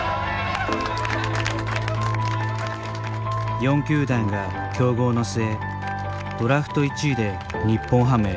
４球団が競合の末ドラフト１位で日本ハムへ。